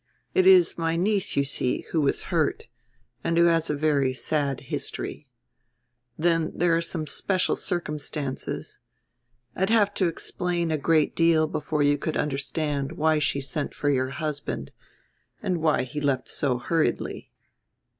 It is my niece, you see, who was hurt, and who has a very sad history. Then there are some special circumstances. I'd have to explain a great deal before you could understand why she sent for your husband and why he left so hurriedly."